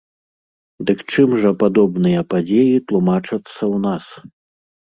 Дык чым жа ж падобныя падзеі тлумачацца ў нас?